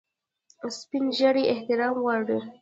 سپین ږیری احترام غواړي